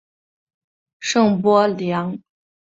圣波良。